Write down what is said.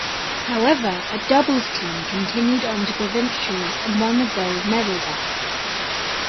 However, a doubles team continued on to provincials and won the gold medal there.